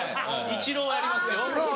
イチローはやりますよ。